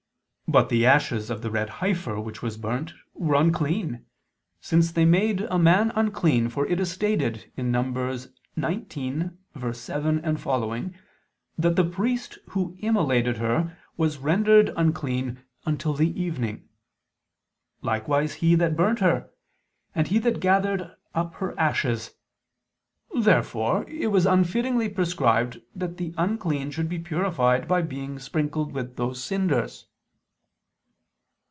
But the ashes of the red heifer [*Cf. Heb. 9:13] which was burnt, were unclean, since they made a man unclean: for it is stated (Num. 19:7, seqq.) that the priest who immolated her was rendered unclean "until the evening"; likewise he that burnt her; and he that gathered up her ashes. Therefore it was unfittingly prescribed there that the unclean should be purified by being sprinkled with those cinders.